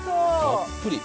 たっぷり。